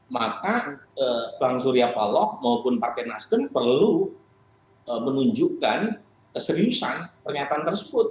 maka bang surya paloh maupun partai nasdem perlu menunjukkan keseriusan pernyataan tersebut